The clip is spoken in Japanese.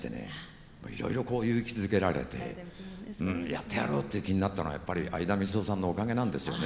いろいろこう勇気づけられて「やってやろう」って気になったのはやっぱり相田みつをさんのおかげなんですよね。